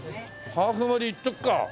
ハーフ盛りいっとくか！